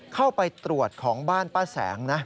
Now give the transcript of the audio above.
เข้าไปตรวจของบ้านป้าแสงนะ